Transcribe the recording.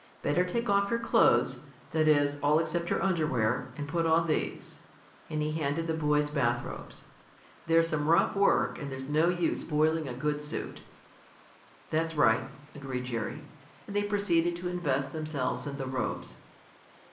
Better take off your clothes that is, all except your underwear, and put on these," and he handed the boys bath robes. "There's some rough work, and there's no use spoiling a good suit." "That's right," agreed Jerry, and they proceeded to invest themselves in the robes.